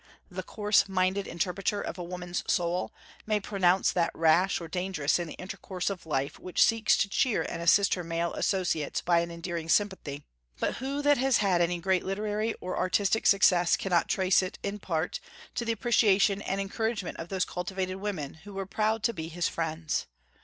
The coarse minded interpreter of a woman's soul may pronounce that rash or dangerous in the intercourse of life which seeks to cheer and assist her male associates by an endearing sympathy; but who that has had any great literary or artistic success cannot trace it, in part, to the appreciation and encouragement of those cultivated women who were proud to be his friends?